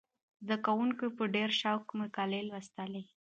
زده کوونکي په ډېر شوق مقالې لوستلې.